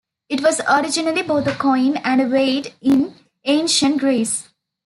It was originally both a coin and a weight in ancient Greece.